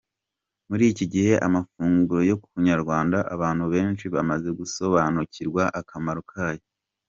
Muri iki gihe amafunguro ya kinyarwanda abantu benshi bamaze gusobanukirwa akamaro kayo.